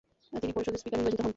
তিনি পরিষদের স্পিকার নির্বাচিত হন।